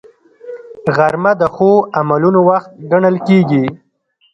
غرمه د ښو عملونو وخت ګڼل کېږي